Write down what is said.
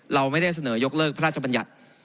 เราไม่ได้เสนอยกเลิกพระราชบัญญัติ